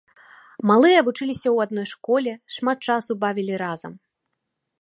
Малыя вучыліся ў адной школе, шмат часу бавілі разам.